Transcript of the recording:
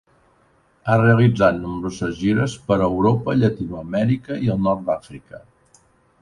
Ha realitzat nombroses gires per Europa, Llatinoamèrica i el nord d'Àfrica.